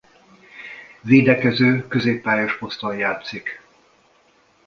Védekező középpályás poszton játszik.